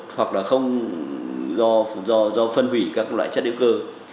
hoặc là không do phân hủy các loại chất hữu cơ